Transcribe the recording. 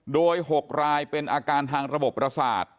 โดย๖รายเป็นอาการทางระบบประสาท